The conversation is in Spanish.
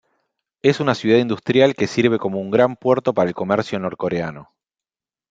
Es una ciudad industrial que sirve como un gran puerto para el comercio norcoreano.